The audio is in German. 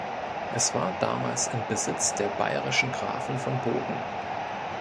Es war damals im Besitz der bayerischen Grafen von Bogen.